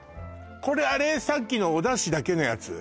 これさっきのお出汁だけのやつ？